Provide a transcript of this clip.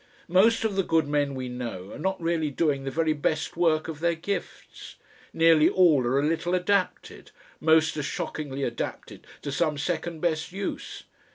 Most of the good men we know are not really doing the very best work of their gifts; nearly all are a little adapted, most are shockingly adapted to some second best use.